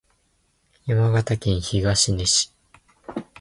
山形県東根市